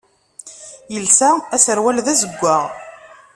Yelsa aserwal d azeggaɣ.